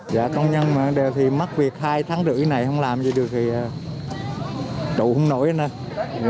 dạ công nhân mà đều thì mắc việc hai tháng rưỡi này không làm gì được thì trụ không nổi nữa